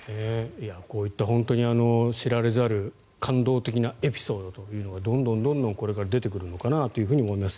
こういった本当に知られざる感動的なエピソードというのがどんどんこれから出てくるのかなと思います。